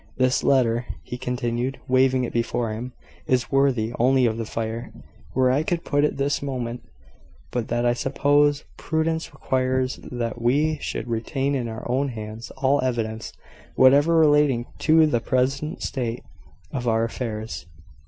This letter," he continued, waving it before him, "is worthy only of the fire, where I would put it this moment, but that I suppose prudence requires that we should retain in our own hands all evidence whatever relating to the present state of our affairs."